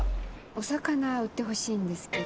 お魚売ってほしいんですけど。